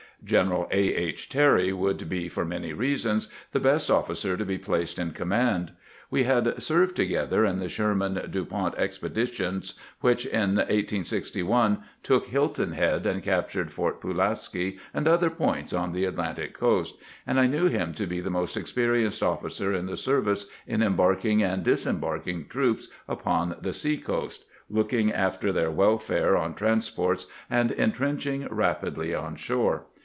General A. H. Terry would be, for many reasons, the best officer to be placed in command. We had served together in the Sherman Du pont expedition which in 1861 took Hilton Head and captured Fort Pulaski and other points on the Atlantic coast, and I knew him to be the most experienced officer in the service in embarking and disembarking troops upon the sea coast, looking after their weKare on trans ports, and intrenching rapidly on shore.